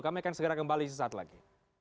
kami akan segera kembali sesaat lagi